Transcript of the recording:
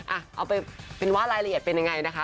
เอาไปเป็นว่ารายละเอียดเป็นยังไงนะคะ